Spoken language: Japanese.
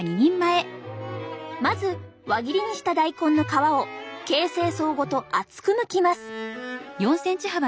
まず輪切りにした大根の皮を形成層ごと厚くむきます。